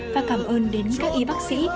và cảm ơn đến các y bác sĩ